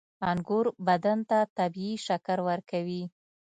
• انګور بدن ته طبیعي شکر ورکوي.